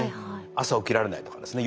朝起きられないとかですね